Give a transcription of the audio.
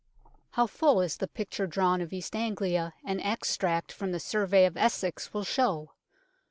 How full is the picture drawn of East Anglia an extract from the Survey of Essex will show.